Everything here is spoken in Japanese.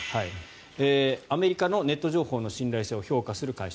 アメリカのネット情報の信頼性を評価する会社